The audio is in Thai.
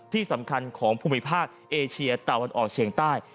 ที่สำคัญของภูมิภาคเอเชียตะวันออกเฉียงใต้